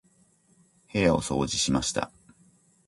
部屋を掃除しました。